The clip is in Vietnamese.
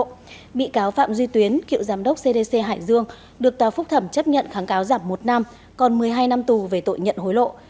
các bị cáo phạm duy tuyến cựu giám đốc cdc hải dương được tòa phúc thẩm chấp nhận kháng cáo giảm một năm còn một mươi hai năm tù về tội nhận hối lộ